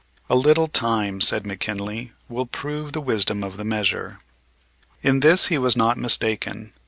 "A little time," said McKinley, "will prove the wisdom of the measure." In this he was not mistaken.